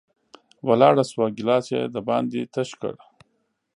ولاړه شوه، ګېلاس یې د باندې تش کړ